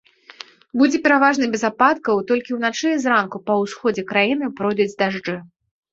Будзе пераважна без ападкаў, толькі ўначы і зранку па ўсходзе краіны пройдуць дажджы.